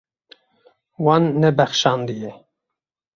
Wan nebexşandiye.